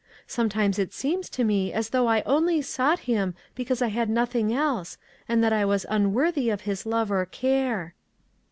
Sometimes it seems to me as though I only sought him because I had nothing else, and that I was unworthy of his love or care."